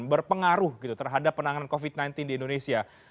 berpengaruh gitu terhadap penanganan covid sembilan belas di indonesia